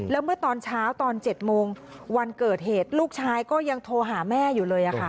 แล้วเมื่อตอนเช้าตอน๗โมงวันเกิดเหตุลูกชายก็ยังโทรหาแม่อยู่เลยค่ะ